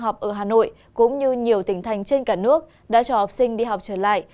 học ở hà nội cũng như nhiều tỉnh thành trên cả nước đã cho học sinh đi học trở lại